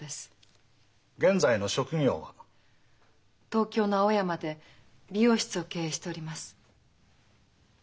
東京の青山で美容室を経営しております。